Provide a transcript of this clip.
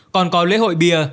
còn có lễ hội bia